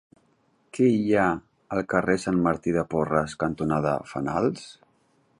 Què hi ha al carrer Sant Martí de Porres cantonada Fenals?